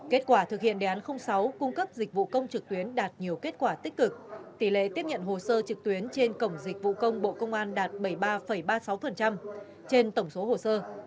kết quả thực hiện đề án sáu cung cấp dịch vụ công trực tuyến đạt nhiều kết quả tích cực tỷ lệ tiếp nhận hồ sơ trực tuyến trên cổng dịch vụ công bộ công an đạt bảy mươi ba ba mươi sáu trên tổng số hồ sơ